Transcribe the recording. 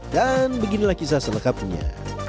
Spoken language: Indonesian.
dan beginilah kisah selekapnya